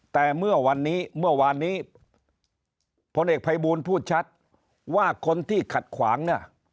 แต่เมื่อวันนี้พลเอกภัยบูรณ์พูดชัดว่าคนที่ขัดขวางน่ะ